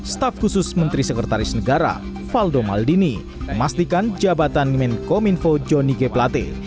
staff khusus menteri sekretaris negara faldo maldini memastikan jabatan menkominfo joni keplate